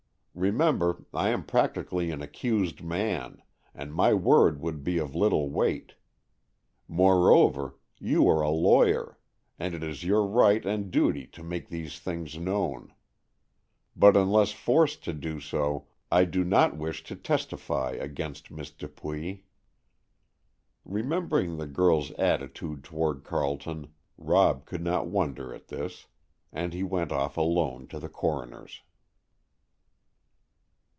Remember I am practically an accused man, and my word would be of little weight. Moreover, you are a lawyer, and it is your right and duty to make these things known. But unless forced to do so, I do not wish to testify against Miss Dupuy." Remembering the girl's attitude toward Carleton, Rob could not wonder at this, and he went off alone to the coroner's.